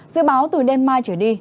dự báo từ đêm mai trở đi